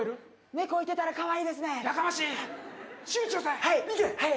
猫いてたらかわいいですねやかましい！